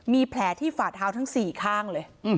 มีแผลที่ฝ่าเท้าทั้ง๔ข้างเลย